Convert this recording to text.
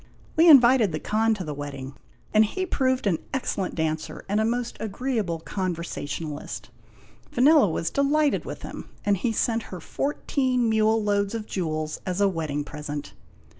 We invited the Khan to the wedding, and he proved an ex cellent dancer and a most agreeable conversationalist. Vanella was delighted with him, and he sent her fourteen mule loads of jewels as a wedding present.